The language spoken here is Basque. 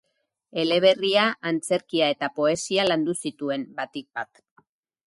Eleberria, antzerkia eta poesia landu zituen, batik bat.